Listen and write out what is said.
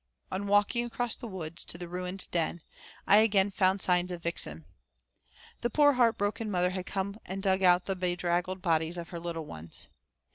On walking across the woods to the ruined den, I again found signs of Vixen. The poor heart broken mother had come and dug out the bedraggled bodies of her little ones.